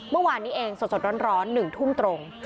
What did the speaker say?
เมื่อวานนี้เองสดร้อน๑ทุ่มตรง